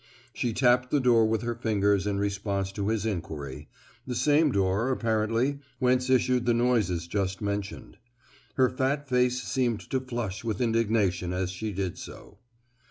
She tapped the door with her fingers in response to his inquiry—the same door, apparently, whence issued the noises just mentioned. Her fat face seemed to flush with indignation as she did so.